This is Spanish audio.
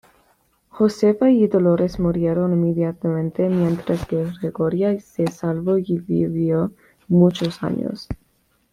Josefa y Dolores murieron inmediatamente, mientras que Gregoria se salvó y vivió muchos años.